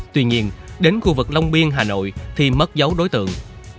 tuy nhiên đến khu vực long biên hà nội thì mất dấu đối tượng